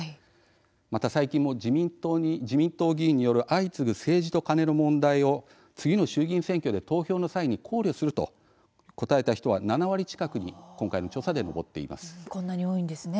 また最近も自民党議員による相次ぐ政治とカネの問題を次の衆議院選挙で投票の際に考慮すると答えた人は７割近くに今回の調査でも上っています。